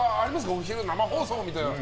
お昼の生放送みたいな。